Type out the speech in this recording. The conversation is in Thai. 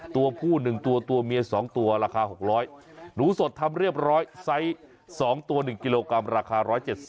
ตัวผู้๑ตัวตัวเมีย๒ตัวราคา๖๐๐หนูสดทำเรียบร้อยไซส์๒ตัว๑กิโลกรัมราคา๑๗๐